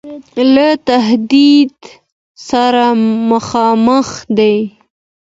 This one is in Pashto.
له تهدید سره مخامخ دی.